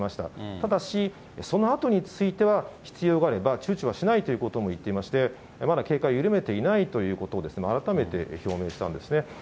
ただし、そのあとについては、必要があればちゅうちょはしないということを言っていまして、まだ警戒を緩めていないということを、改めて表明したんですね。